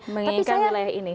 menginginkan wilayah ini